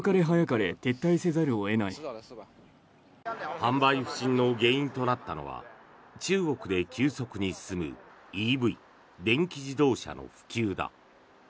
販売不振の原因となったのは中国で急速に進むＥＶ・電気自動車の普及だ。